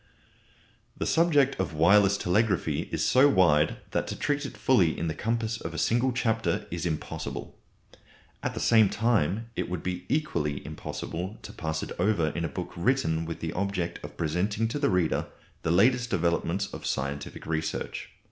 The subject of Wireless Telegraphy is so wide that to treat it fully in the compass of a single chapter is impossible. At the same time it would be equally impossible to pass it over in a book written with the object of presenting to the reader the latest developments of scientific research.